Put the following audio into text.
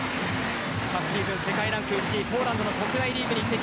昨シーズン、世界ランキング１位ポーランドの国内リーグに移籍。